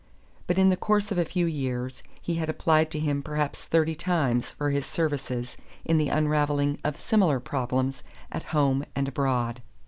But in the course of a few years he had applied to him perhaps thirty times for his services in the unraveling of similar problems at home and abroad.